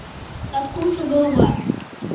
Латкумшо глава